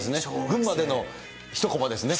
群馬での一こまですね。